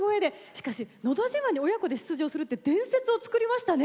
しかし、「のど自慢」に親子で出場って伝説を作りましたね。